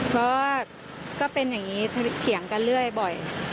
เพราะว่าก็เป็นอย่างนี้เถียงกันเรื่อย